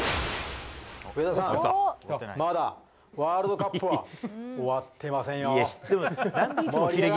上田さん、まだワールドカップは終わってませんよ。